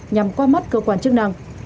nhằm qua mắt cơ quan chức năng